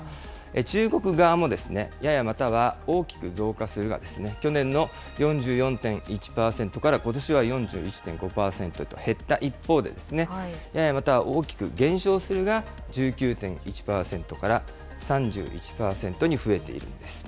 中国側もやや、または大きく増加するが、去年の４４．１％からことしは４１．５％へと減った一方でですね、やや、または大きく減少するが１９．１％から３１％に増えているんです。